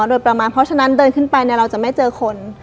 โดยประมาณเพราะฉะนั้นเดินขึ้นไปเราจะไม่เจอคน